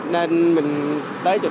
nên mình tới chỗ này